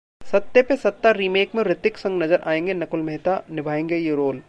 सत्ते पे सत्ता रीमेक में ऋतिक संग नजर आएंगे नकुल मेहता, निभाएंगे ये रोल